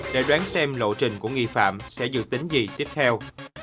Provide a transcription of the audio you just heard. để đoán xem lộ trình của nghi phạm sẽ dự tính gì tiếp theo